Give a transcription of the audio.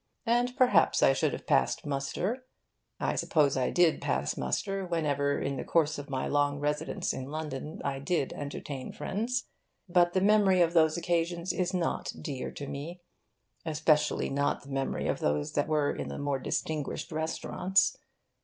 And perhaps I should have passed muster. I suppose I did pass muster whenever, in the course of my long residence in London, I did entertain friends. But the memory of those occasions is not dear to me especially not the memory of those that were in the more distinguished restaurants.